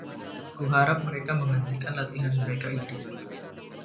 Ku harap mereka menghentikan latihan mereka itu.